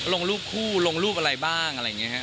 ลงรูปคู่ลงรูปอะไรบ้างอะไรอย่างนี้ครับ